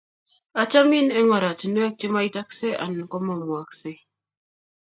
achamin eng' oratunuek chemaitaksei anan ko mwaaksei